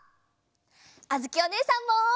あづきおねえさんも！